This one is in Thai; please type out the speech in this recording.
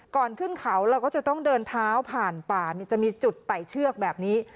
ก่อนขึ้นเขาเราก็จะต้องเดินเท้าผ่านป่าจะมีจุดไต่เชือกแบบนี้